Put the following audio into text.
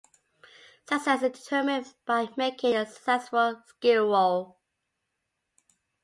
Success is determined by making a successful skill roll.